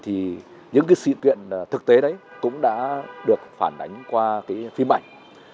những sự kiện thực tế cũng đã được phản ánh qua phim ảnh